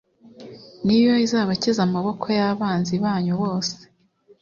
ni yo izabakiza amaboko y abanzi banyu bose